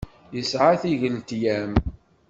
Yesɛa tigletyam.